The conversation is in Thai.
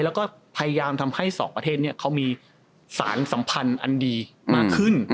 แล้วก็พยายามทำให้สองประเทศนี้เขามีสารสัมพันธ์อันดีมากขึ้น